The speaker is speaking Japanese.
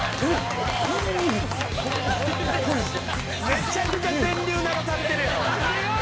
「めちゃくちゃ電流流されてるやろ」